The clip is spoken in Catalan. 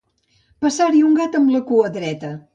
Passar-hi un gat amb la cua dreta.